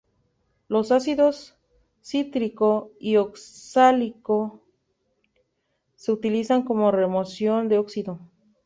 Los ácidos cítrico y oxálico se utilizan como remoción de óxido.